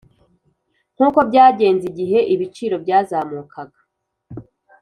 Nk’ uko byagenze igihe ibiciro byazamukaga